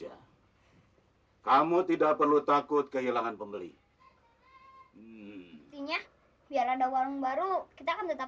hai kamu tidak perlu takut kehilangan pembeli hai mimpinya biar ada warung baru kita akan tetap